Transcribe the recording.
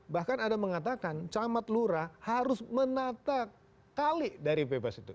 bahkan ada mengatakan camat lurah harus menata kali dari bebas itu